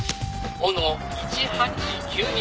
「“お”の１８−９２」